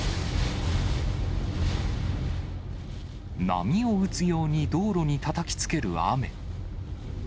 波を打つように道路にたたきつける雨。